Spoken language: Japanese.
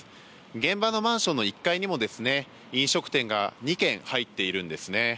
現場のマンションの１階にも飲食店が２軒、入っているんですね。